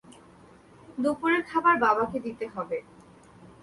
দুপুরের খাবার বাবাকে দিতে হবে।